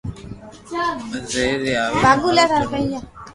ريو ي آوين ماري نو ر